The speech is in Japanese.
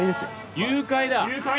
・・誘拐だ！